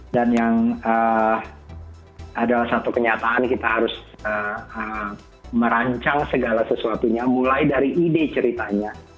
dan yang adalah satu kenyataan kita harus merancang segala sesuatunya mulai dari ide ceritanya